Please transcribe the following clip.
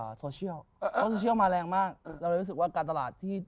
เราเลยรู้สึกการตลาดที่